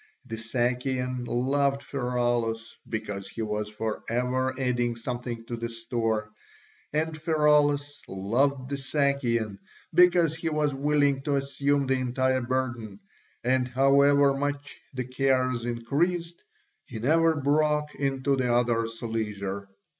The Sakian loved Pheraulas because he was for ever adding something to the store, and Pheraulas loved the Sakian because he was willing to assume the entire burden, and however much the cares increased he never broke into the other's leisure.